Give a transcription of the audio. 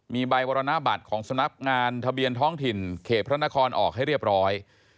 มีใบมรณบัตรของสำนักงานทะเบียนท้องถิ่นเขตพระนครออกให้เรียบร้อย